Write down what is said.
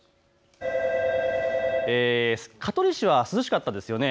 香取市は涼しかったですよね。